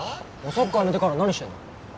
サッカーやめてから何してんの？